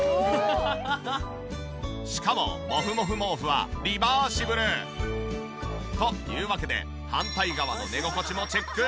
しかもモフモフ毛布はリバーシブル。というわけで反対側の寝心地もチェック。